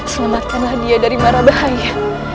selamatkanlah dia dari marah bahaya